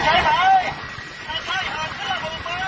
รับทราบ๒สถานกรณีวิรวดาชาติ